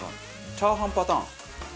チャーハンパターン。